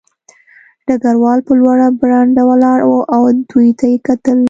ډګروال په لوړه برنډه ولاړ و او دوی ته یې کتل